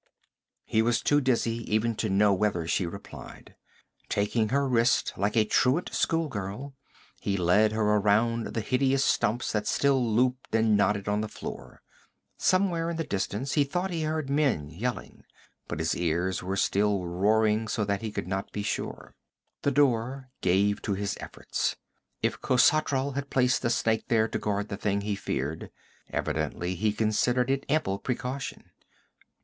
He was too dizzy even to know whether she replied. Taking her wrist like a truant schoolgirl, he led her around the hideous stumps that still looped and knotted on the floor. Somewhere, in the distance, he thought he heard men yelling, but his ears were still roaring so that he could not be sure. The door gave to his efforts. If Khosatral had placed the snake there to guard the thing he feared, evidently he considered it ample precaution.